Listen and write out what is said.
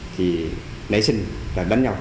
thì nảy sinh là đánh nhau